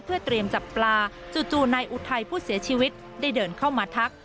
เพื่อเตรียมจับปลาจู่นายอุทัยผู้เสียชีวิตได้เดินเข้ามาทัก